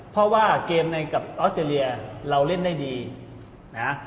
เพราะว่าเกมในกับออสเตรเลียเราเล่นได้ดีนะ